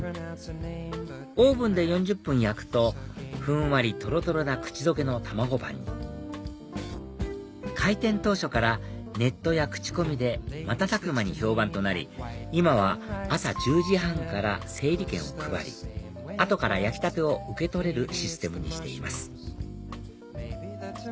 オーブンで４０分焼くとふんわりとろとろな口溶けのたまごパンに開店当初からネットや口コミで瞬く間に評判となり今は朝１０時半から整理券を配り後から焼きたてを受け取れるシステムにしています